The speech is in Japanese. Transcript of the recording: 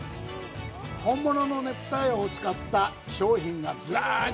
本物のねぷた絵を使った商品がずらり。